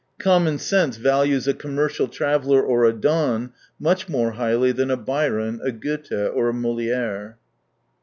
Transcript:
Common sense values a com mercial traveller or a don much more highly than a Byron, a Goethe, or a Moli^re.